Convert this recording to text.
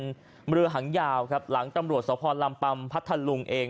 เป็นเรือหางยาวครับหลังตำรวจสภลำปัมพัทธลุงเอง